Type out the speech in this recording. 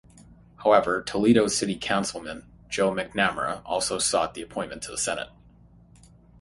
However, Toledo City Councilman Joe McNamara also sought the appointment to the Senate.